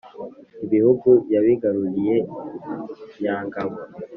ibihugu yabigaruye nyangabo.